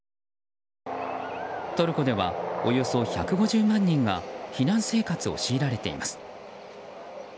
トルコでは、およそ１５０万人が避難生活を強いられています。